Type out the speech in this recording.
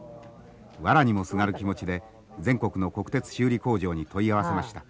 わらにもすがる気持ちで全国の国鉄修理工場に問い合わせました。